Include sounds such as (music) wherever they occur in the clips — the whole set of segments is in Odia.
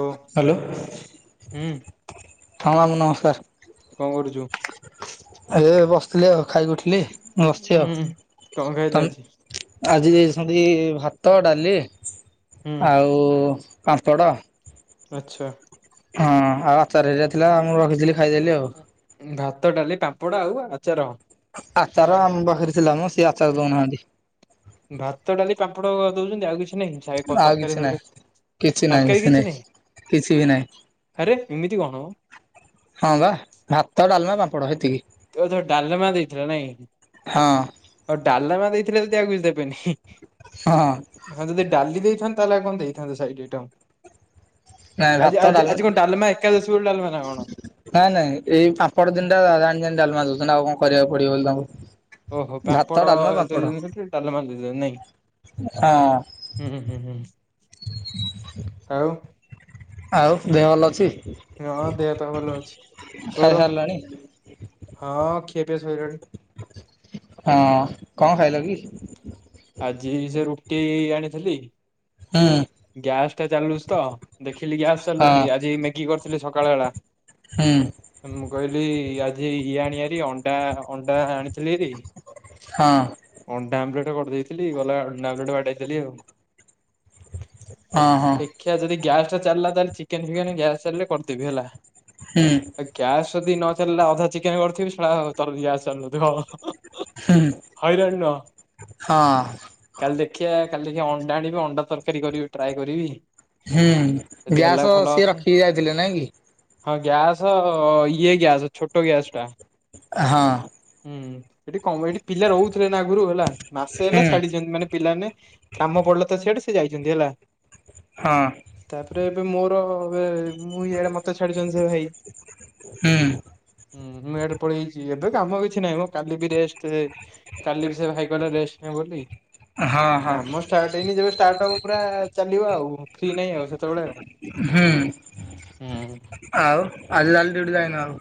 ଓ ହାଲୋ! ହୁଁ ହଁ, ମାମୁଁ କଣ କରୁଛୁ? ନମସ୍କାର। ଏ ବସିଥିଲି ଆଉ, ଖାଇକି ଉଠିଲି। ବସଛି ହୁଁ ଆଉ, କଣ ଖାଇଲୁ ତମ୍ ଆଜି? ଆଜି ଦେଇଛନ୍ତି ଭାତ, ଡାଲି ହୁଁ ଆଉ ପାମ୍ପଡ। ଆଚ୍ଛା। ହଁ, ଆଉ ଆଚାର ହେରିକା ଥିଲା, ମୁଁ ରଖିଥିଲି ଖାଇଦେଲି ଆଉ। ଭାତ, ଡାଲି, ପାମ୍ପଡ, ଆଉ ଆଚାର। ଆଚାର ଆମ ପାଖରେ ଥିଲା ମ, ସେ ଆଚାର ଦଉନାହାଁନ୍ତି। ଭାତ, ଡାଲି, ପାମ୍ପଡ-ଅ ଦଉଛନ୍ତି, ଆଉ କିଛି ନାହିଁ। ସାଏ ଆଉ କିଛି ତରକାରୀ, ନାହିଁ ଫରକାରୀ? କିଛି ନାହିଁ, ତରକାରୀ କିଛି ନାଇଁ, ନାହିଁ କିଛି ବି ଆରେ ଏମିତି କଣ ମ ନାହିଁ। ହଁ, ବା ଭାତ, ଡାଲମା, ପାମ୍ପଡ଼ ହେତିକି। ଓହଃ, ଡାଲମା ଦେଇଥିଲା ନାଇଁ, ହଁ ଆଉ ଡାଲମା ଦେଇଥିଲେ, ତ ଯଦି ଆଉକିଛି ଦେବେନି। ହଁ ଅଁ ହଁ, ଯଦି ଡାଲି ଦେଇଥାନ୍ତେ, ତାହେଲେ ଆଉ କଣ ଦେଇଥାନ୍ତେ, ସାଇଡ୍ ଆଇଟମ୍? ନାଇଁ ଭାତ ଆଜି-ଆଜି -ଆଜି କଣ, ଡାଲମା ଏକାଦଶୀ ବୋଲି ଡାଲମା ନା କଣ? ନାଇଁ, ନାଇଁ, ଏଇ ପାମ୍ପଡ ତିନଟା ଜାଣି-ଜାଣି ଡାଲମା ଦଉଛନ୍ତି। ଆଉ କଣ କରିବାକୁ ପଡିବ ବୋଲି ତାଙ୍କୁ? ଓହୋ! ଭାତ ପାମ୍ପଡ ଡାଲମା ପାମ୍ପଡ଼ ଦେଇନେ ବୋଲି ଡାଲମା ଦେଲେ ନାଇଁ? ହଁ ହୁଁ ହୁଁ ହୁଁ ଆଉ। ଆଉ ଦେହ ଭଲ ଅଛି? ହଁ, ଦେହ ତ ଭଲ ଅଛି। ତୋର? ଖାଇସାରିଲାଣି? ହଁ, ଖିଆ ପିଆ ସଇଲାଣି। ହଁ, ଅଁ କଣ ଖାଇଲ କି? ଆଜି ସେ ରୁଟି ଆଣିଥିଲି। ହୁଁ। ଗ୍ୟାସ୍ ଟା ଚାଲୁଚି ତ, ଦେଖିଲି ଗ୍ୟାସ ହଁ ଚାଲୁଛି। ଆଜି ମେଗି କରିଥିଲି ସକାଳ ବେଳା। ହୁଁ। ମୁଁ, କହିଲି ଆଜି ଇଏ ଆଣିଆରି, ଅଣ୍ଡା ଅଣ୍ଡା, ଆଣିଥିଲିହେରି। ହଁ। ଅଣ୍ଡା ଆମ୍ବେଲେଟ୍ କରିଦେଇଥିଲି। ଗଲା ଅଣ୍ଡା ଆମ୍ବଲେଟ୍ ବାଡେଇଦେଲି ଆଉ। ହଁ, ହଁ। ଦେଖିଆ ଯଦି ଗ୍ୟାସ୍ ଟା ଚାଲିଲା, ତାଲେ ଚିକେନ୍ ଫିକେନ୍ ଗ୍ୟାସ୍ ଚାଲିଲେ କରିଦେବି ହେଲା। ହୁଁ। ଗ୍ୟାସ୍ ଯଦି ନ ଚାଲିଲା ଅଧା ଚିକେନ୍ କରିଥିବି, ଶଳା ତର ଗ୍ୟାସ ଚାଲୁନଥିବ। ହୁଁ ହଇରାଣ ନୁହଁ। ହଁ କାଲି ଦେଖିଆ, କାଲି ଦେଖି ଅଣ୍ଡା ଆଣିବି, ଅଣ୍ଡା ତରକାରୀ କରିବି ଟ୍ରାଏ କରିବି। ହୁଁ, ଯଦି ହେଲା ଗ୍ୟାସ ଭଲ ସିଏ କଥା ରଖିକି ଯାଇଥିଲେ ନାଇକି? ହଁ, ଗ୍ୟାସ, ଇଏ ଗ୍ୟାସ୍, ଛୋଟ ଗ୍ୟାସ୍ ଟା। ହଁ। ହୁଁ, ଏଠି କମ୍, ଏଠି ପିଲା ରହୁଥିଲେ ନା ଆଗରୁ ହେଲା। ମାସେ ହେଲା ହୁଁ ଛାଡିଛନ୍ତି, ମାନେ ପିଲା ମାନେ କାମ ପଡିଲେ ତ ସିଆଡେ ସେ ଯାଇଚନ୍ତି ହେଲା। ହଁ। ତାପରେ ଏବେ ମୋର ଏବେ ମୁଁ ଇଆଡେ ମତେ ଛାଡିଛନ୍ତି ସେ ଭାଇ। ହୁଁ ହୁଁ ମୁଁ ଏଡେ ପଳେଇାଇଛି ଏବେ କାମ କିଛି ନାହିଁ ମୁଁ କାଲି ବି ରେଷ୍ଟ। କାଲି ବି ସେ ଭାଇ କଲା ରେଷ୍ଟ ନେ (unintelligible) ହଁ ହଁ କାମ ଷ୍ଟାର୍ଟ ହେଇନି ଯେବେ ଷ୍ଟାର୍ଟ ହବ ପୁରା ଚାଲିବ ଆଉ। ଫି ନାଇଁ ଆଉ ସେତେବେଳେ ଆ ହୁଁ ହୁଁ ଆଉ ଆଜି ତାହାଲେ ଡିଉଟି ଯାଇନ ଆଉ।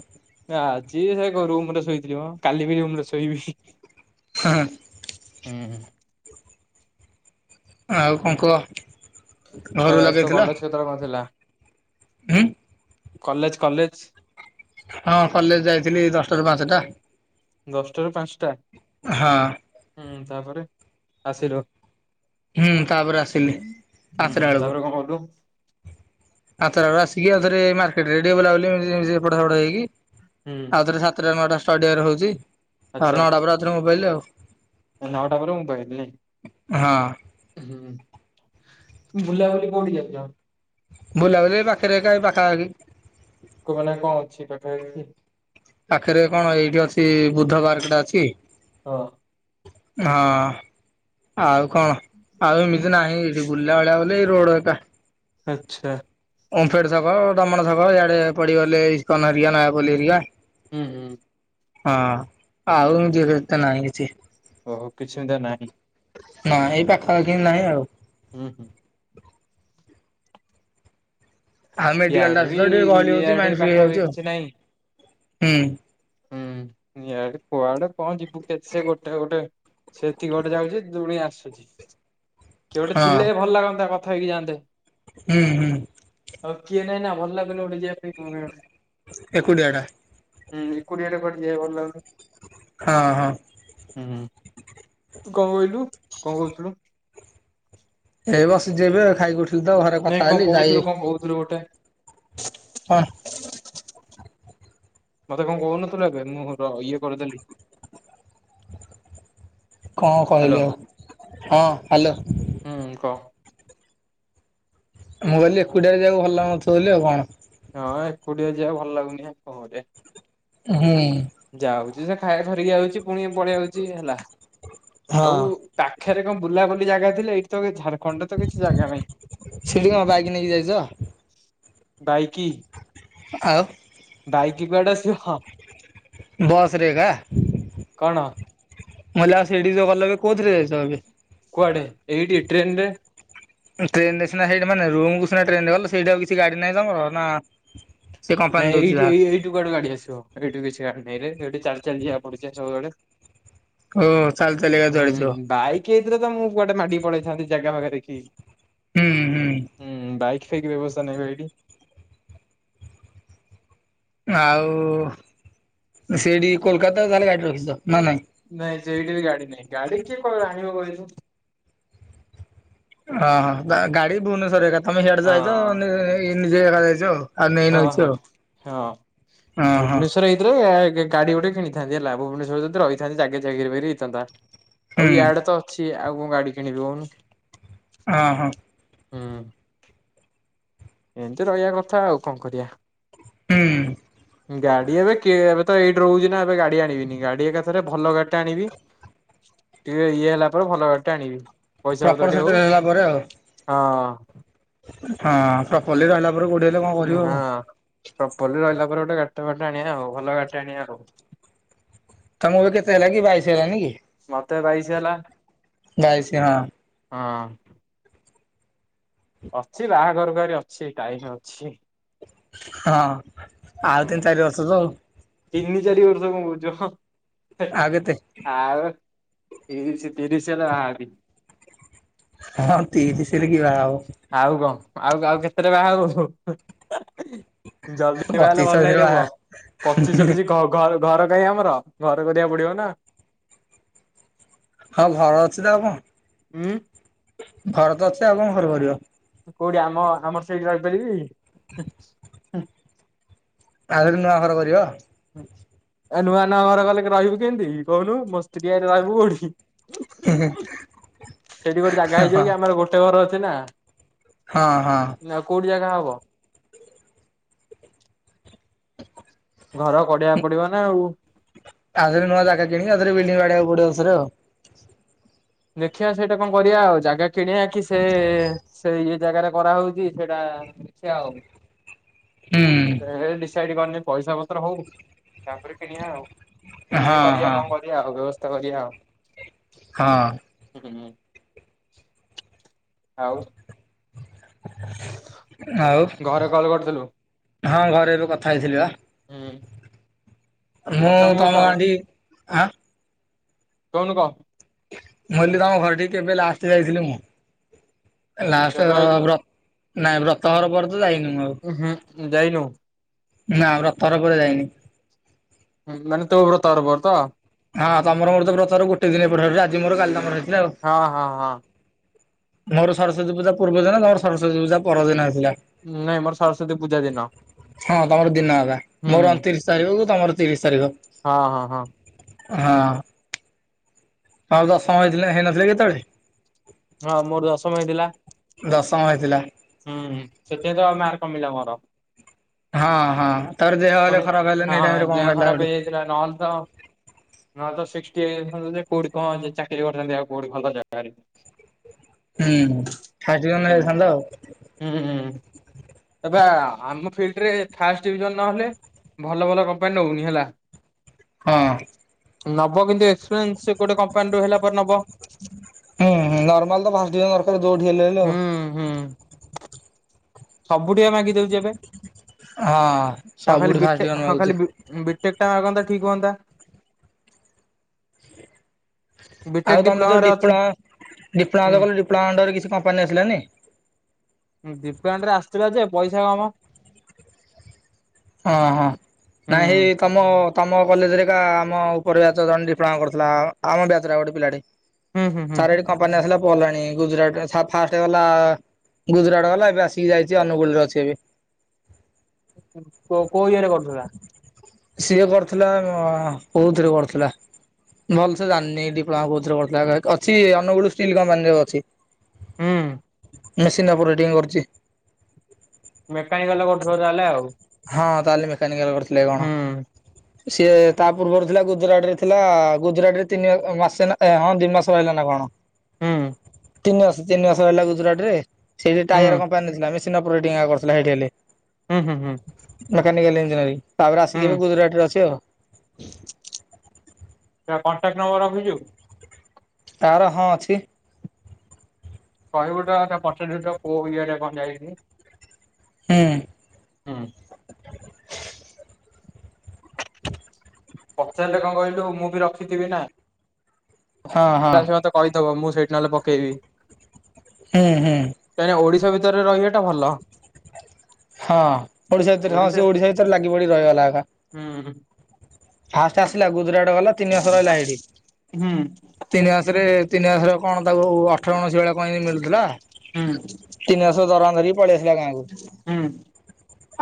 ନା ଆଜି ସେରୁୁ ରୁମ୍ ରେ ଶୋଇଥିଲିମ କାଲି ବି ମୁଁ ଶୋଇବି। ଆହା। (unintelligible) ଆଉ କଣ କୁହ? ଏ ଘରୁ ଭାଇ ତୋ କଲେଜ କେତେବେଳେ କଣ ଥିଲା? ଉଁ। College college. ହଁ କଲେଜ ଯାଇଥିଲି ଦଶଟାରୁ ପାଞ୍ଚଟା। ଦଶଟାରୁ ପାଞ୍ଚଟା? ହଁ। ହୁଁ ତାପରେ ଆସିର ହୁଁ ତାପରେ ଆସିଲି ହୁଁ ପାଞ୍ଚଟା ତାପରେ କଣ କଲୁ? ଆଉଥର ଆସିକି ଆଉଥରେ ମାର୍କେଟ ରେ ବୁଲାବୁଲି (unintelligible) ହେଇକି। ହୁଁ। ରେ ସାତଟା ନଅଟା ଷ୍ଟାଡିମରେ ହଉଛି ଆଉ ଆଚ୍ଛା ନଅଟା ପରେରେ ମୋବାଇଲ ଆଉ। ନଅଟା ପରେ ମୋବାଇଲ୍ ନାଇଁ? ହଁ ହୁଁ ବୁଲାବୁଲି କୋଉଠି କରିଚ? ବୁଲାବୁଲି ପାଖରୋ ପାଖାପାଖି ମାନେ କଣ ଅଛି ପାଖାପାଖି କି? ପାଖରେ କଣ ଏଇଠି ଅଛି ବୁଦ୍ଧ ପାର୍କ ଟା ଅଛି। ଓ। ହଁ ଆଉ କଣ ଆଉ ଏମିତି ନାହିଁ ଏଠି ବୁଲଲା ଭଳିଆ। ନେଇ ରୋଡ ଏକା। ଆଚ୍ଛା। ଓମଫେଡେ ସାପ ଦମଣ ସାପ ଇଆଡେ ପଡିଗଲେ ଇସ୍କନ ହରୀକା ନୟାପଲି ହରୀକା। ହୁଁ ହଁ। ହଁ ଆଉ (unintelligible) ନାହିଁ କିଛି। ଓହୋ କିଛି ସେମିତି ନାହିଁ ନ ଏଇ ପାଖାପାଖି ନାହିଁ ଆଉ। ହୁଁ। ଆଉ ମେଡିକାଲ ଟା ଇଆଡେ ଆସ ବି ଟିକେ ଗହଲି ହଉଛି ଇଆଡେ ମାଇଣ୍ଡ ଫ୍ରି ପାଖାପାଖି ହେଇଯାଉଛି, କିଛି ନାହିଁ ଆଉ ହୁଁ। ହୁଁ ନିଆଡେ କୁଆଆଡେ କଣ ଯିବୁ କେତେେ ଗୋଟେ ଗୋଟେ ସେତିକି ଗୋଟେ ଯାଉଛି ଦୁଣି ଆସୁଛି କିଏ ଗୋଟେ ହଁ ଥିଲେ ଭଲ ଲାଗନ୍ତା କଥା ହେଇଥାନ୍ତେ। ହୁଁ ହୁଁ। ଆଉ କିଏ ନାଇଁ ନା ଭଲ ଲାଗୁନି ଯିବା ପାଇଁ। ଏକୁଟିଆଟା। ଏକୁଟିଆ ଟା କୁଆଡେ଼ ଯିବା ପାଇଁ ଭଲ ଲାଗୁନି। ହଁ ହଁ। ହୁଁ ହୁଁ କଣ କହିଲୁ କଣ କହୁଥିଲୁ? ଏଇ ବସିଚି ଏବେ ଖାଇକି ଉଠିଲି ତ ଘରେ କଥା ହେଲି ଯାଇ କହୁଉଥିରୁ ଗୋଟେ ହଁ। ମତେ କଣ କହୁନଥିଲୁ ଏବେ ମୋ ର ଇଏ କରିଦେଲି। କଣ ହ୍ୟାଲୋ କହିଲେ ଆଉ ହଁ ହ୍ୟାଲୋ। ହୁଁ କହ? ମୁଁ କହିଲି ଏକୁଟିଆ ଯିବାକୁ ଭଲ ଲଗୁନଥିବ ବୋଲି ଆଉ କଣ। ହଁ ଏକୁଟିଆ ଯିବାକୁ ଭଲ ଲାଗୁନି ହେ କଣ କରିବା। ହୁଁ। ଯାଉଛି ସେ ଖାଇବା ଧରିକି ଯାଉଛି ପୁଣି ପଳେଇଆଉଛି ହେଲା। ହଁ ଆଉ ପାଖରେ କଣ ବୁଲାବୁଲି ଜାଗା ଥିଲେ ଏଇଠି ତ ଝାଡ଼ଖଣ୍ଡରେ ତ କିଛି ଜାଗା ନାହିଁ। ସେଠି କ ବାଇକି ନେଇକି ଯାଇଛ ବାଇକି ଆଉ? ବାଇକି କୁଆଡେ ଆସିବ। ବସରେଗା। କଣ ମଲା ଆଉ ସେଇଠିକି ଯୋଉ ଗଲ କୋଉଥିରେ ଯାଇଛ ଏବେ? କୁଆଡେ ଏଇଠି ଟ୍ରେନ ରେ। ଟ୍ରେନ ରେ ସିନା ସେଠି ମାନେ ରୁମ କୁ ସିନା ଟ୍ରେନରେ ଗଲେ ସେଠି ଆଉ କିଛି ଗାଡି ନାହିଁ ତମର ନା ସେ କମ୍ପାନୀ ନାଇଁ ଦଉଛି ଏଇ ଯାହା ଏଇ ଏଇଠୁ କୁଆଡୁ ଗାଡି ଆସିବ ଏଇଠୁ କିଛି ଗାଡି ନାଇ ରେ ଏଇଠୁ ଚାଲି ଚାଲି ଯିବାକୁ ପଡୁଛି ସବୁବେଳେ। ଓ ଚାଲି ଚାଲି ଏକା ଯୁଆଡେ ଯିବ ହୁଁ ବାଇ କି ହେଇଥିଲେ ତ ମୁଁ କୁଆଡ଼େ ମାଡିକି ପଳେଇଥାନ୍ତି ଜାଗା ଫାଗା ଦେଖିଁକି। ହୁଁ ହୁଁ। ହୁଁ ବାଇକୀ ଫେଇକି ରେ ବ୍ୟବସ୍ଥା ନାହିଁ ବା ହେଇଠି। ଆଉ ସେଠି କୋଲକାତା ତାହେଲେ ଗାଡି ରଖିଛ ନା ନାଇଁ। ନାଇଁ ସେଇଠି ବି ଗାଡି ନାାଇଁ ଗାଡି କିଏ ଆଣିବ କହିଲୁ। ହଁ ହଁ ଗାଡି ଭୁବନେଶ୍ଵର ଏକା ତମେ ହୀଇଆଡେ ହଁ ଯାଇଛ ନିଜେ ଏକା ଯାଇଛ ଆଉ। ଆଉ ନେଇନ ହଁ କିଛି ହଁ। ଆଉ ହଁ ହଁ। ଥରେ ହେଇଥରେ ଗାଡି ଗୋଟେ କିଣିଥାନ୍ତି ହେଲା ଭୁବନେଶ୍ୱର ଯଦି ରହିଥାନ୍ତିି ଜାଗା ଚାକିକି ଫକୀର ହେଇଥାନ୍ତା। ଆଉ ହୁଁ ୟାଡ ତ ଅଛି ଆଉ କଣ ଗାଡି କିଣିବି କହୁନୁ। ଅ ହଁ। ହୁଁ। ଏମିତି ରହିବା କଥା ଆଉ କଣ ହୁଁ। କରିବା ଗାଡି ଏବେ କିଏ ତ ଏଇଠି ରହୁଛି ନା ଏବେ ଗଡି ଆଣିବିନି ଗାଡି ଏକାଥରେ ଭଲ ଗାଡିଟେ ଆଣିବି। ଟିକେ ଇଏ ହେଲା ପରେ ଭଲ ଗାଡ଼ି ଟେ ଆଣିବି। ପଇସା ପ୍ରପର ପତ୍ର ଟେ ସେଟେଲ ହଉ ହେଲା ପରେ ଆଉ ହଁ। ହଁ ପ୍ରପଲ୍ଲୀ ରହିଲା ପରେ ଗୋଡିଏ ହଁ ପ୍ରପଲି ରହିଲା ପରେ ଗୋଟେ ଗାଡ଼ିଟେ ଫାଡିଟେ ଆଣିବା ଆଉ ଭଲ ଗାଡିଟେ ଆଣିବା ଆଉ ତମକୁ ଏବେ କେତେ ହେଲା କି ବାଇସ୍ ହେଲାନି କି? ମତେ ବାଇଶି ହେଲା। ବାଇଶି ହଁ। ହଁ। ଅଛି ବାହାଘରକୁ ଆହୁରି ଅଛି ଟାଇମୀ ଅଛି। ହଁ ଆଉ ହୁଁ ତିନି ଚାରି ବର୍ଷ ତ। ତିନି ଚାରି ବର୍ଷ କଣ କହୁଚ ହଁ ହେ ଆଉ କେତେ ଆଉ। ତିରିଶି ତିରିଶି ହେଲେ ବାହା ହେବି। ହଁ ତିରିଶି ରେ କିଏ ବାହା ହବ। ଆଉ କଣ ଆଉ ଆଉ କେତେରେ ବାହା ହବୁ? ଜଲଦି ବାହା ହେଲେ ପଚିଶ ଭଲ ଛବିଶରେ ନାହିଁ ରେ ବାହା ପୁଅ ପଚିଶ ଛବିଶ କମ୍। ଘ ଘର କାହିଁ ଆମର ଘର କରିବାକୁ ପଡିବ ନା। ହଁ ଘର ଅଛି ତ ଆଉ ଉଁ। କଣ ଘର ତ ଅଛି ଆଉ କଣ ଘର କରିବ? କୋଉଠି ଆମ ଆମର ସେଇଠି ରହିପାରିବି ହିଁ। ଆରେ ନୂଆ ଘର କରିବ। ଏ ନୂଆ ନୂଆ ଘର କଲେ ରହିବୁ କେମିତି କହୁନୁ ମୋ ସ୍ତ୍ରୀ ଆଆଇଲେ ରହିବୁ କୋଉଠି। ସେଇଠି କୋଉଠି ଜାଗା ହେଇଯିବ ହଁ କି ଆମର ଗୋଟେ ଘର ଅଛି ନା। ହଁ ହଁ। ଆଉ କୋଉଟି ଜାଗା ହବ। ଘର କରିବାକୁ ପଡିବ ନା ଆଉ। ଆଉ ଥରେ ନୂଆ ଜାଗା କିଣିକି ଆଉଥରେ ବିଲ୍ଡିଙ୍ଗ ବାଡେବାକୁ ପଡିବ ଆଉ ଥରେ। ଦେଖିଆ ସେଇଟା କଣ କରିବା ଆଉ ଜାଗା କିଣିବା କି ସେ ସେଇ ଇ ଜାଗାରେ କରାହଉଛି ସେଇଟା ଦେଖିଆ ଆଉ। ହୁଁ। ଏ ଡିସାଇଡ କରିନି ପଇସା ପତ୍ର ହଉ ତାପରେ କିଣିବା ଆଉ କିଣିବା ହଁ କରିଆ ହଁ କଣ କର କରିବା ଆଉ ବ୍ୟବସ୍ଥା କରିବା ଆଉ। ହଁ। ହୁଁ ହୁଁ ଆଉ। ଆଉ ଘରେ କଲ୍ କରିଥିଲୁ ହଁ ଘରେ ଏବେ କଥା ହେଇଥିଲି ବା। ହୁଁ। ମୁଁ ତମ ଗାଁ ଠି ଆଁ କହୁନୁ କହ। ମୁ କହିଲି ତମ ଘରଠି କି କେବେ ଲାଷ୍ଟ ଯାଇଥିଲି ମୁଁ ଲାଷ୍ଟ କେବେ ର ଆଇଥିଲୁ ର ନାଇଁ ବ୍ରତ ଘର ପରେ ତ ଯାଇନି ମୁ ଆଉ। ଉଁ ହୁଁ ଯାଇନୁ। ନା ରଥଯାତ୍ରା ପରେ ଯାଇନି। ହୁଁ ମାନେ ତୋ ବ୍ରତ ଘର ପରେ ତ? ହଁ ତମର ମୋର ତ ବ୍ରତଘର ଗୋଟ ଦିନ ଏପଟ ସେପଟ ଆଜି ମୋର କାଲି ତମର ହେଇଥିଲା ଆଉ। ହଁ ହଁ ହଁ। ମୋର ସରସ୍ୱତୀ ପୂଜା ପୂର୍ବ ଦିନ ତମର ସରସ୍ଵତୀ ପୂଜା ପରଦିନ ହେଇଥିଲା। ନାଇଁ ମୋର ସରସ୍ଵତୀ ପୂଜା ଦିନ। ହଁ ତମର ଦିନ ହବା ହୁଁ ମୋର ଅଣତିରିଶ ତାରିଖକୁ ତମର ତିରିଶ ତାରିଖ। ହଁ ହଁ ହଁ। ହଁ। ହଁ ଦଶମ ହେଇଥିଲେ ହେଇନଥିଲା କି ସେତେବେଳେ। ହଁ ମୋର ଦଶମ ହେଇଥିଲା। ଦଶମ ହେଇଥିଲା। ହୁଁ ସେଥିଆଇଁ ତ ମାର୍କ କମିଲା ମୋର। ହଁ ହଁ ତାପରେ ଦେହ ହେଲେ ଖରାପ ହେଲା ହେଇ ଟାଇମରେ କଣ ହେଲା ଗୋଟେ। ଥିଲା ନ ହେଲେ ତ ନହେଲେ ତ ସିକ୍ସଟ୍ ହେଇଯାଇଥାନ୍ତା ଯେ କୋଉଠି କଣ ଚାକିରି କରିଥାନ୍ତି ଆଉ କୋଉଠି କଣ ଭଲ ଜାଗାରେ। ହୁଁ ଫାଜିଲାମ ହୁଁ ହେଇଯାଇଥାନ୍ତା ଆଉ। ହୁଁ ହୁଁ। ଏବେ ଆମ ଫିଲ୍ଡରେ ଫାଷ୍ ଡିଭିଜନ ନହେଲେ ଭଲ ଭଲ କମ୍ପାନୀ ନଉନି ହେଲା। ହଁ। ନବ କିନ୍ତୁ ଏସ୍ ପ୍ରେନସ୍ ସେ ଗୋଟେ କମ୍ପାନୀରୁୁ ହେଲା ପରେ ନବ। ହୁଁ ନର୍ମାଲ ତ ଫାଷ୍ଟ ୟୁର ଦରକାର ଯୋଉଠି ହେଲେ ହେଲେ ହୁଁ ଆଉ। ସବୁ ଟିକେ ମାଗି ଦଉଛି ଏବେ ହଁ ନ ଖାଲି ସବୁଠି ଫାଷ୍ଟ ବିଟେ ଡିଭିଜନ ହଁ ମାଗୁଛି ଖାଲି ବିଟେକ୍ ଟା ମାଗନ୍ତା ଠିକ୍ ହୁଅନ୍ତା। ଆଉ ବିଟେକ୍ ତମେ ଯୋଉ ଡିପ୍ଲୋମାରେ ଅଛି ଡିପ୍ଲମା ଡିପ୍ଲମା ତ କଲ ହୁଁ ତ ଡିପ୍ଲୋମା ର କିଛି କମ୍ପାନୀ ଆସୁନି। ଡିପ୍ଲୋମା ରେ ଆସଥିଲା ଯେ ପଇସା କମ୍। ହଁ ହଁ। ହୁଁ ନାଇଁ ତମ ତମ କଲେଜରେ ଏକା ଆମ ଉପର ବ୍ୟାଚ ଜଣେ ଡିପ୍ଲୋମା କରୁଥିଲା। ଆମ ବ୍ୟାଚର ଆଉ ଗୋଟେ ପିଲାଟେ ହୁଁ ହୁଁ ହୁଁ ତାରେ କମ୍ପାନୀ ଆସିଲା ପୋଲ ଆଣି ଗୁଜୁରାଟ ର ଫାଷ୍ଟ ଗଲା ଗୁଜୁରାଟ ଗଲା ଏବେ ଆସିକି ଯାଇଛି ଅନୁଗୁଳରେ ଅଛି ଏବେ। କୋଉ କୋଉ ଇଏ ରେ କରୁଥିଲା। ସେଏ କରୁଥିଲା କୋଉଥିରେ କରୁଥିଲା। ଭଲ ସେ ଜାଣିନି ଡିପ୍ଲୋମା କୋଉଥରେ କରୁଥିଲା ଅଛି ଅନୁଗୁଳ ଷ୍ଟିଲ୍ କମ୍ପାନୀରେ ଅଛି। ହୁଁ। Machine operating କରୁଡ଼ି। ମେକାନିକାଲ କାଲ୍‌ କରୁଥିବ (unintelligible) ହଁ ତାହେଲେ ମେକାନିକାଲ କରୁଥିଲେ କଣ ସିଏ ତା ପୂର୍ବରୁ ଥିଲା ଗୁଜୁରାଟ ରେ ଥିଲା ଗୁଯୁରାଟ ରେ ତିନି ମାସେ ହଁ ଦି ମାସ ରହିଲା ନା କଣ। ତିନି ମାସ ତିନି ମାସ୍‌ ରହିଲା ଗୁଜୁରାଟ ରେ, ସେଇଠ ଟାୟାର କମ୍ପାନୀ ଥିଲା ମେସିନ୍ ଅପରେଟିଙ୍ଗ୍ କରିଥିଲା ସେଇଠି ହେଲେ। ହୁଁ ହୁଁ ହୁଁ। ମେକାନିକାଲ ଇଞ୍ଜିରୀୟରୀଙ୍ଗି ତାପରେ ଆସିକି ଗୁଜୁରାଟରେ ଅଛି ଆଉ। କଣ୍ଟାକ୍ଟ ନମ୍ବର ରଖିଛୁ। ତାର ହଁ ଅଛି। କହିବୁ ତ (unintelligible) କୋଉ ଇଏରେ କଣ ଯାଇନି? ହୁଁ। ହୁଁ। (inaudible) ପଚାରିଲେ କଣ କହିଲୁ ମୁଁ ବି ରଖିଥିବି ନା। ହଁ ମତେ ହଁ ତାହାହେଲେ କହିଦବ ମୁଁ ସେଇଠି ନହେଲେ ପକେଇବି। ହୁଁ ହୁଁ। ନାହିଁ ଓଡିଶା ଭିତରେ ରହିବା ଟା ଭଲ। ହଁ ଓଡିଶା ଭିତରେ ହଁ ସେ ଓଡିଶା ଭିତରେ ଲାଗି ପଡି ରହିଗଲା ଏକା। ହୁଁ ହୁଁ। ଫାଷ୍ଟ ଆସିଲା ଗୁଜୁରାଟ ଗଲା ତିନି ମାସ ରହିଲା ଏଇଠି। ହୁଁ ତିନି ମାସରେ ତିନି ମାସରେ କଣ ତାକୁ ଅଠର ଉଣେଇଶି ଭଳିଆ କଣ ଏମିତି ମିଳୁଥିଲା। ତିନିମାସର ଦରମା ଧରିକି ପଳେଇ ଆସିଲା ଗାଁକୁ। ହୁଁ।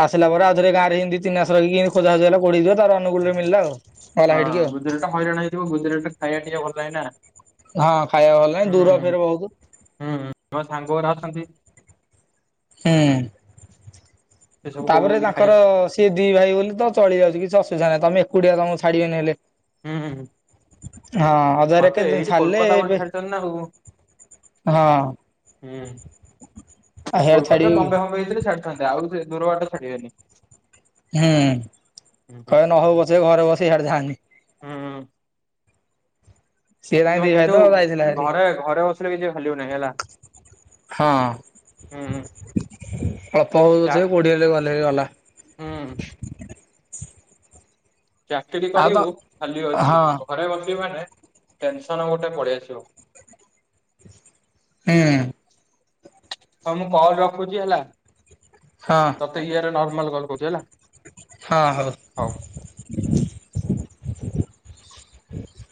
ଆସିଲା ପରେ ଆଉଥରେ ଗାଁରେ ଏମିତି ଦି ତିନିମାସ ରହି କି ଖୋଜା ଅଜା ହେଲା (unintelligible) ତାର ଅନୁଗୁଳରେ ମିଳିଲା ଆଉ ଗଲା ହଁ ହେଇଠିକି ଆଉ ଗୁଜୁରାଟରେ ହଇରାଣ ହେଇଯିବ, ଗୁଜୁରାଟରେ ଖାଇବା ଟିକେ ଭଲ ନାହିଁ ନା। ହଁ ଖାଇବା ଭଲ ନାଇଁ ଦୂର ବି ବହୁତ। ହୁଁ। ମୋ ସାଙ୍ଗ ଗୁଡ଼ା ଅଛନ୍ତି। ହଁ। ସେ ସବୁ ତାପରେ କହୁଛନ୍ତି ଖାଇ ତାଙ୍କର ସି ସିଏ ଦି ଭାଇ ବୋଲି ତ ଚଳି ଯାଉଛି କିଛି ଅସୁବିଧା ନାହିଁ। ତୋମେ ଏକୁଟିଆ ତୋମକୁ ଛାଡିବେନି ହେଲେ। ହଁ, ହଁ। ହଁ (inaudible) ମୋତେ ଏଇଠି ଛାଡିଲେ କୋଲକାତା ବୋଲି ଏବେ ଛାଡିଚନ ନା ହଉ ହଁ ହୁଁ,। ଆଉ ହିଆଡେ କୋଲକାତା ଛାଡିବେ ବମ୍ବେ କି ଫମ୍ବେ ଭିତରେ ଛାଡିଥାନ୍ତେ ଆଉ ସେ ଦୂର ବାଟ ଛାଡିବେନି। ହଁ, କହିବେ ନହଉ ପଛେ ଘରେ ବସେ ସିଆଡେ ଯାଆନି। ହଁ। ସିଏ ତାଙ୍କ ଏଇନା ଦି ଭାଇ କିନ୍ତୁ ତ ଯାଇଥିଲା ହେରି ଘରେ ଘରେ ବସିଲେ କିଛି ଭେଲ୍ୟୁ ନାହିଁ ହେଲା। ହଁ ଅଳ୍ପ ହଉ ପଛେ କୋଉଠି ହେଲେ ଗଲେ ହେଇ ଗଲା। ହଁ। ଚାକିରି ଆଉ ତ କରିବୁ ଖାଲି ଅଛି, ହଁ ଘରେ ବସିବି ମାନେ ଟେନସନ୍ ଗୋଟେ ପଳିଆସିବ। ହୁଁ। ହଁ ମୁଁ କଲ୍ ରଖୁଚି ହେଲା। ହଁ। ତତେ ଇଏରେ ନର୍ମାଲ୍ କଲ୍ କରୁଛି ହେଲା। ହଁ ହଉ। ହୁଁ